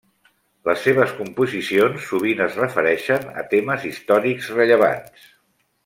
Les seves composicions sovint es refereixen a temes històrics rellevants.